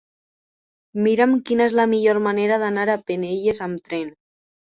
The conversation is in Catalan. Mira'm quina és la millor manera d'anar a Penelles amb tren.